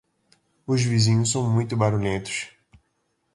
Os vizinhos são muito barulhentos.